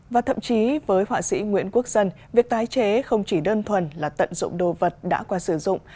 và thậm chí với họa sĩ nguyễn quốc dân việc tái chế không chỉ đơn thuần là tận dụng đồ vật đã qua sử dụng